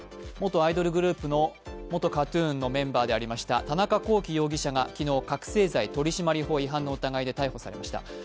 元アイドルグループの元ＫＡＴ−ＴＵＮのメンバーでありました田中聖容疑者が昨日、覚醒剤取締法違反の疑いで逮捕されました。